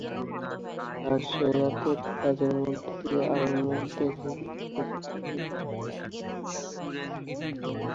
তাঁর সে রাতের কাজের মধ্যে দিয়ে আলোর মুখ দেখে গ্রুপ থিওরি।